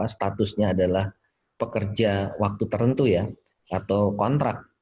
statusnya adalah pekerja waktu tertentu ya atau kontrak